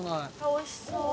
おいしそう。